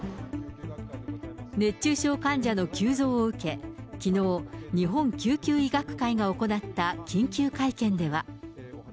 熱中症患者の急増を受け、きのう、日本救急医学会が行った緊急会見では。